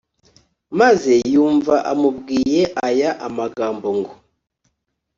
maze yumva amubwiye aya amagambo ngo